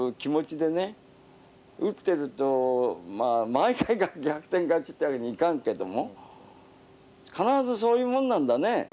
毎回が逆転勝ちってわけにはいかんけども必ずそういうもんなんだね。